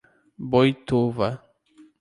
Boituva